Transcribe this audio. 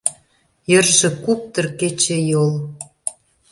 Йырже куптыр — кечыйол.